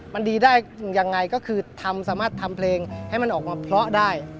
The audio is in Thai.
มันดีได้ยังไงก็คือทำสามารถทำเพลงให้มันออกมาเพราะได้